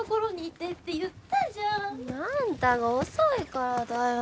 あんたが遅いからだよ。